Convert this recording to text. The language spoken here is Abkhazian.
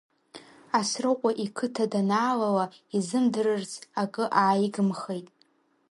Асрыҟәа иқыҭа данаалала, изымдырырц акы ааигымхеит…